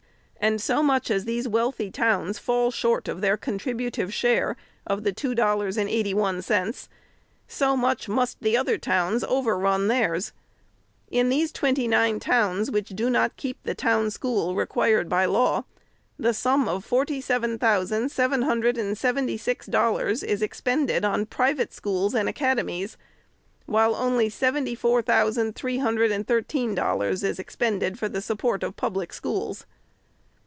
And so much as these wealthy towns fall short of their contributive share of the two dollars and eighty one cents, so much must the other towns overrun theirs. In these twenty nine towns, which do not keep the " town school " required by law, the sum of forty seven thousand seven hundred and seventy ^ix dollars is expended in private schools and academies, while only seventy four thousand three hundred and thirteen dollars is expended for the support of public schools.